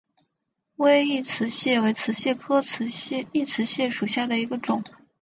微异瓷蟹为瓷蟹科异瓷蟹属下的一个种。